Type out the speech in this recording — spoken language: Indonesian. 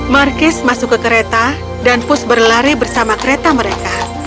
markis masuk ke kereta dan pus berlari bersama kereta mereka